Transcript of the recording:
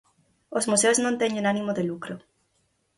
Os museos non teñen ánimo de lucro.